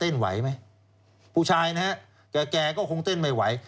ไหวไหมผู้ชายนะฮะแก่แก่ก็คงเต้นไม่ไหว